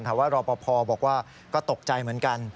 รอปภบอกว่าก็ตกใจเหมือนกัน